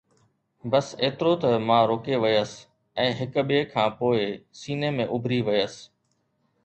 بس ايترو ته مان روڪي ويس ۽ هڪ ٻئي کان پوءِ سيني ۾ اُڀري ويس